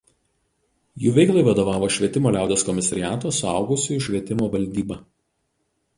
Jų veiklai vadovavo Švietimo liaudies komisariato Suaugusiųjų švietimo valdyba.